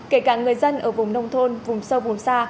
kể cả người dân ở vùng nông thôn vùng sâu vùng xa